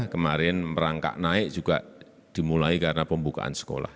kemarin merangkak naik juga dimulai karena pembukaan sekolah